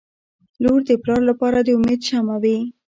• لور د پلار لپاره د امید شمعه وي.